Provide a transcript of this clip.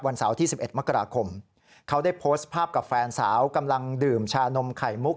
เสาร์ที่๑๑มกราคมเขาได้โพสต์ภาพกับแฟนสาวกำลังดื่มชานมไข่มุก